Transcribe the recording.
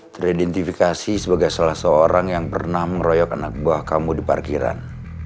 teridentifikasi sebagai salah seorang yang pernah mengeroyok anak buah kamu di parkiran